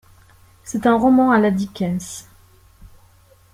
C'est un roman à la Dickens.